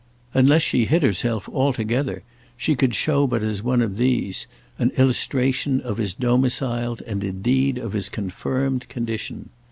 Unless she hid herself altogether she could show but as one of these, an illustration of his domiciled and indeed of his confirmed condition.